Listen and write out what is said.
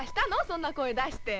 そんな声出して。